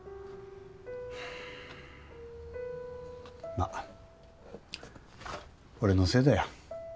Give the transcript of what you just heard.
まあ俺のせいだよ。